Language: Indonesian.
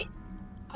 ya udah aku mau